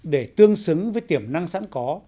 để tương xứng với tiềm năng sẵn có